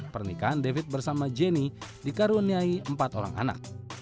pernikahan david bersama jenny dikaruniai empat orang anak